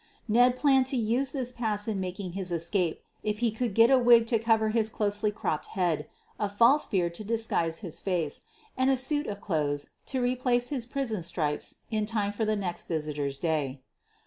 Ned planned to use this pass in making his escape if he could get a wig to cover his closely cropped heaor, a false beard to disguise his face, and a suit of clothes to replace his prison stripes in time for the next visitors ' day.